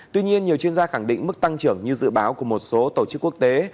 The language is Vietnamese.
tuy nhiên nhiều chuyên gia khẳng định mức tăng trưởng như dự báo của một số tổ chức quốc tế